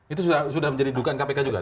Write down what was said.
itu sudah menjadi dugaan kpk juga